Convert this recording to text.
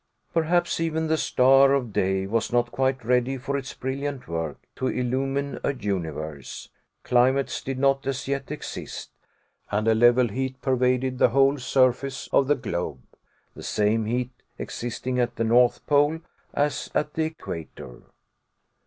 Perhaps even the star of day was not quite ready for its brilliant work to illumine a universe. Climates did not as yet exist, and a level heat pervaded the whole surface of the globe the same heat existing at the North Pole as at the equator.